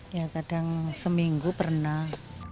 ya kadang seminggu pernah